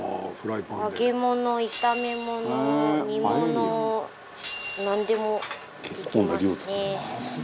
揚げ物炒め物煮物なんでもできますね。